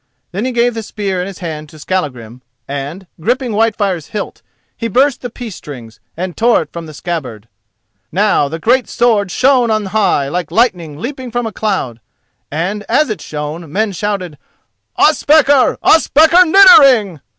Then he gave the spear in his hand to Skallagrim, and, gripping Whitefire's hilt, he burst the peace strings, and tore it from the scabbard. Now the great sword shone on high like lightning leaping from a cloud, and as it shone men shouted, "_Ospakar! Ospakar Niddering!